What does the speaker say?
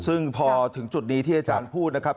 ซึ่งพอถึงจุดนี้ที่อาจารย์พูดนะครับ